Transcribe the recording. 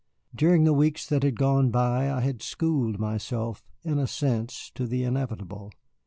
During the weeks that had gone by I had schooled myself, in a sense, to the inevitable.